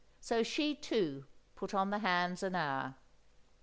So she, too, put on the hands an hour.